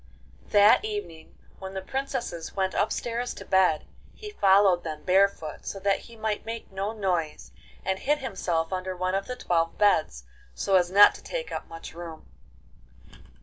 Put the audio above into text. VI That evening, when the princesses went upstairs to bed, he followed them barefoot, so that he might make no noise, and hid himself under one of the twelve beds, so as not to take up much room.